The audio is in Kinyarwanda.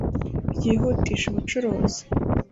ryihutishe ubucuruzi